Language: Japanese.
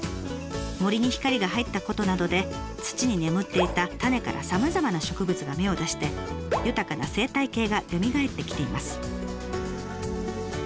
森に光が入ったことなどで土に眠っていた種からさまざまな植物が芽を出して豊かな生態系がよみがえってきています。